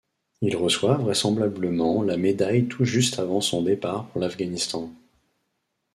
Il reçoit vraisemblablement la médaille tout juste avant son départ pour l'Afghanistan.